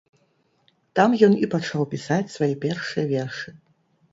Там ён і пачаў пісаць свае першыя вершы.